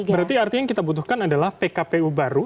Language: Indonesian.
berarti artinya yang kita butuhkan adalah pkpu baru